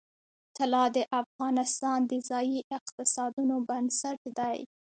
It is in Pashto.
طلا د افغانستان د ځایي اقتصادونو بنسټ دی.